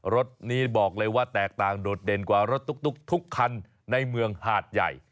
รถนี้บอกเลยว่าแตกต่างโดดเด่นกว่ารถตุ๊กทุกคันในเมืองหาดใหญ่